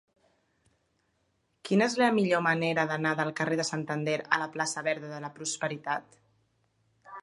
Quina és la millor manera d'anar del carrer de Santander a la plaça Verda de la Prosperitat?